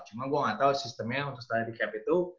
cuma gue gak tau sistemnya untuk salary cap itu